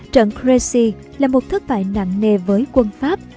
trận crecy là một thất bại nặng nề với quân pháp